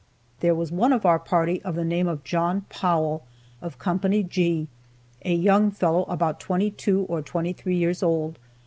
There was one of our party of the name of John Powell, of Co. G, a young fellow about twenty two or three years old.